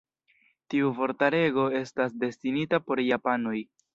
Tiu vortarego estas destinita por japanoj.